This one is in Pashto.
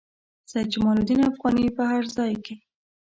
سید جمال الدین افغاني په هر ځای کې.